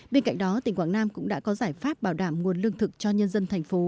bên cạnh đó tỉnh quảng nam cũng đã có giải pháp bảo đảm nguồn lương thực cho nhân dân thành phố